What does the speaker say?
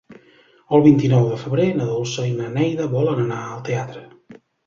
El vint-i-nou de febrer na Dolça i na Neida volen anar al teatre.